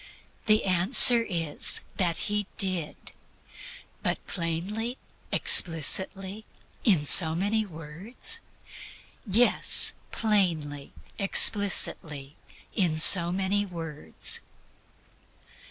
The answer is that He did. But plainly, explicitly, in so many words? Yes, plainly, explicitly, in so many words.